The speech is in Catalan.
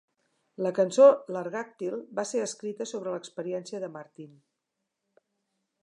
La cançó "Largactyl" va ser escrita sobre l'experiència de Martin.